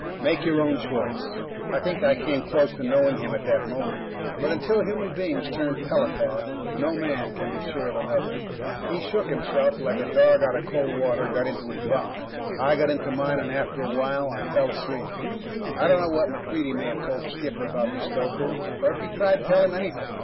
Make your own choice. I think I came close to knowing him, at that moment, but until human beings turn telepath, no man can be sure of another. He shook himself like a dog out of cold water, and got into his bunk. I got into mine, and after a while I fell asleep. I don't know what MacReidie may have told the skipper about the stoker, or if he tried to tell him anything.